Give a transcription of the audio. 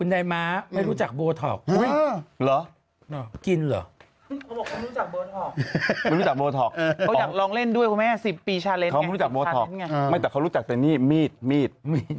ทำไมพี่ไก่เด็กขนาดนั้นวันเกิดพี่ไก่นั่งดูไอจีวันนั้น